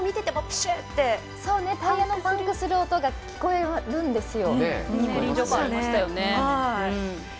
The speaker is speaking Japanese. タイヤのパンクする音が聞こえるんですよ。